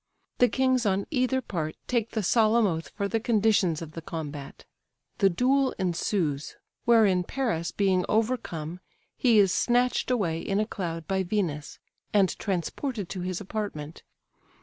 The kings on either part take the solemn oath for the conditions of the combat. The duel ensues; wherein Paris being overcome, he is snatched away in a cloud by Venus, and transported to his apartment.